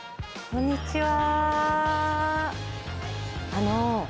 こんにちは。